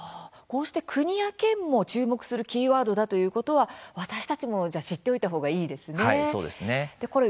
こうして国や県も注目するキーワードだということは、私たちも知っておいた方がいいですね。